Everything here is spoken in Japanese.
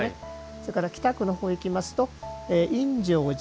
それから北区のほうに行きますと引接寺。